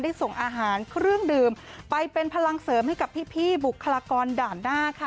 ส่งอาหารเครื่องดื่มไปเป็นพลังเสริมให้กับพี่บุคลากรด่านหน้าค่ะ